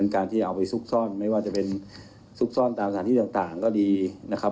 การที่เอาไปซุกซ่อนไม่ว่าจะเป็นซุกซ่อนตามสถานที่ต่างก็ดีนะครับ